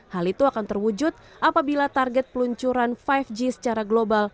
hal itu akan terwujud apabila target peluncuran lima g secara global